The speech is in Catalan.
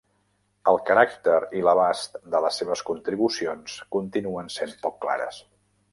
El caràcter i l'abast de les seves contribucions continuen sent poc clares.